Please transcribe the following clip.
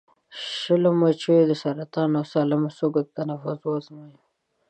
شلو مچیو د سرطاني او سالمو سږو تنفس وازمویلو.